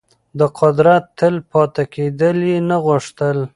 د قدرت تل پاتې کېدل يې نه غوښتل.